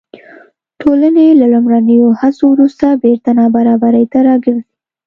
ټولنې له لومړنیو هڅو وروسته بېرته نابرابرۍ ته راګرځي.